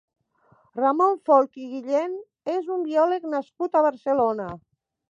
Ramon Folch i Guillèn és un biòleg nascut a Barcelona.